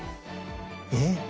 えっ？